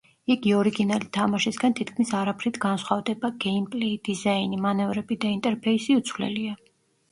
იგი ორიგინალი თამაშისგან თითქმის არაფრით განსხვავდება: გეიმპლეი, დიზაინი, მანევრები და ინტერფეისი უცვლელია.